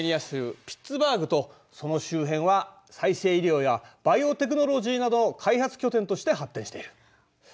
州ピッツバーグとその周辺は再生医療やバイオテクノロジーなど開発拠点として発展している。